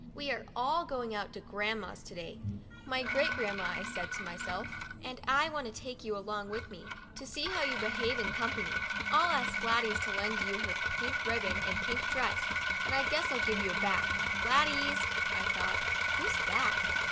We are all going out to Grandma's to day ('my Great Grandmother,' I said to myself), and I want to take you along with me, to see how you behave in com pany. I'll ask Gladys to lend you her pink ribbon and pink dress, and I guess I'll give you a bath." 'Gladys?" thought I, " who's that?"